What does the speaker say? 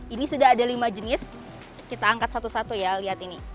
ini sudah ada lima jenis kita angkat satu satu ya lihat ini